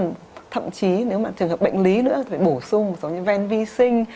phải bổ sung một số như men vi sinh